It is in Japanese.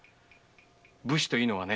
武士というのはね